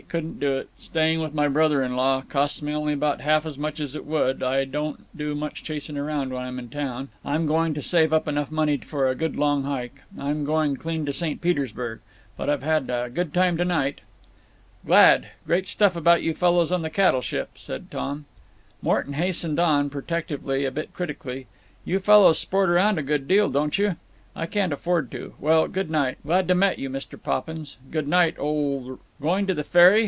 Couldn't do it. Staying with my brother in law—costs me only 'bout half as much as it would I don't do much chasing around when I'm in town…. I'm going to save up enough money for a good long hike. I'm going clean to St. Petersburg!… But I've had a good time to night." "Glad. Great stuff about you fellows on the cattle ship," said Tom. Morton hastened on, protectively, a bit critically: "You fellows sport around a good deal, don't you?… I can't afford to…. Well, good night. Glad to met you, Mr. Poppins. G' night, old Wr—" "Going to the ferry?